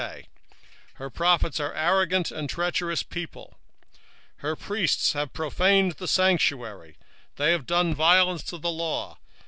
3:4 Her prophets are light and treacherous persons: her priests have polluted the sanctuary, they have done violence to the law.